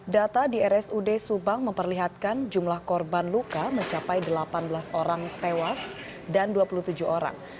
data di rsud subang memperlihatkan jumlah korban luka mencapai delapan belas orang tewas dan dua puluh tujuh orang